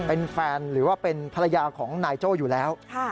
เป็นแฟนหรือว่าเป็นภรรยาของนายโจ้อยู่แล้ว